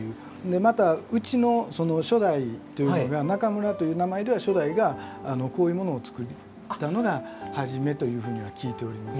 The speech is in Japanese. またうちの初代というのが中村という名前では初代がこういうものを作ったのが初めというふうには聞いております。